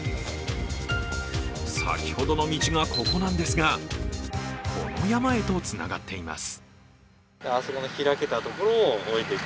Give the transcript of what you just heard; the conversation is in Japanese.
先ほどの道がここなんですが、この山へとつながっています。